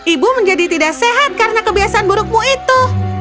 ibu menjadi tidak sehat karena kebiasaan burukmu itu